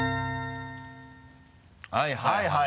はいはいはい。